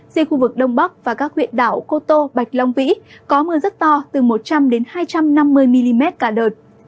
riêng khu vực đông bắc và các huyện đảo cô tô bạch long vĩ có mưa rất to từ một trăm linh hai trăm năm mươi mm cả đợt